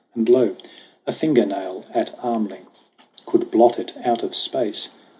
And lo, a finger nail, At arm length held, could blot it out of space !